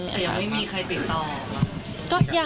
แต่ยังไม่มีใครติดต่อหรือเปล่า